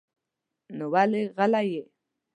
نو ولې غلی يې؟